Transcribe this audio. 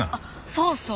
そうそう。